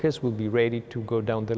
vâng điều quan trọng nhất